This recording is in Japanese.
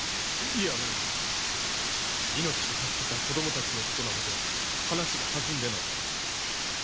いや何命を助けた子供たちのことなどで話が弾んでの。